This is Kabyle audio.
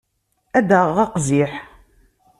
Ad d-aɣeɣ aqziḥ.